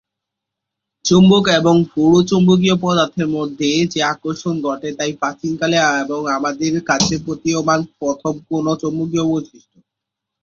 চুম্বক এবং ফেরোচৌম্বকীয় পদার্থের মাঝে যে আকর্ষণ ঘটে তাই প্রাচীন কালে এবং আমাদের কাছে প্রতীয়মান প্রথম কোনো চৌম্বকীয় বৈশিষ্ট্য।